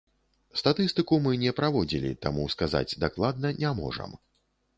Статыстыку мы не праводзілі, таму сказаць дакладна не можам.